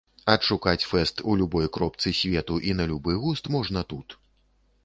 Адшукаць фэст у любой кропцы свету і на любы густ можна тут.